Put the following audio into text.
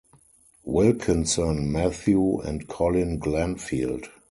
Wilkinson, Matthew, and Colin Glanfield.